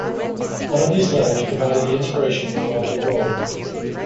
One of these letters provided the inspiration for "The Robe".